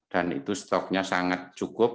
itu stoknya sangat cukup